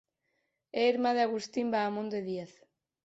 É irmá de Agustín Baamonde Díaz.